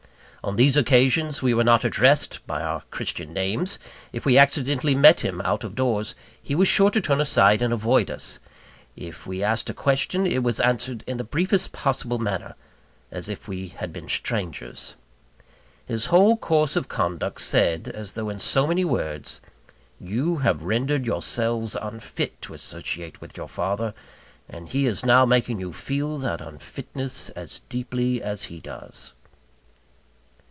On these occasions, we were not addressed by our Christian names; if we accidentally met him out of doors, he was sure to turn aside and avoid us; if we asked a question, it was answered in the briefest possible manner, as if we had been strangers. His whole course of conduct said, as though in so many words You have rendered yourselves unfit to associate with your father; and he is now making you feel that unfitness as deeply as he does.